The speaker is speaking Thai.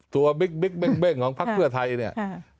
ตัวบิ๊กบิ๊กเบ้งของภักดิ์เพื่อไทยเนี่ย